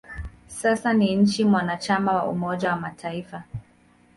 Sasa ni nchi mwanachama wa Umoja wa Mataifa.